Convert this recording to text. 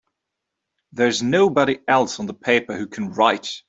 There's nobody else on the paper who can write!